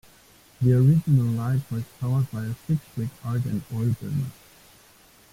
The original light was powered by a six-wick Argand oil burner.